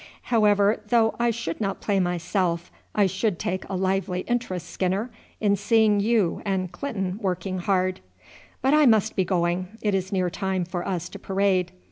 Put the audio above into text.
However, though I should not play myself, I should take a lively interest, Skinner, in seeing you and Clinton working hard. But I must be going, it is near time for us to parade.